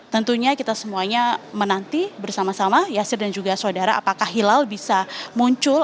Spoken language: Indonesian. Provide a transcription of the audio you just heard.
tentunya kita semuanya menanti bersama sama yasir dan juga saudara apakah hilal bisa muncul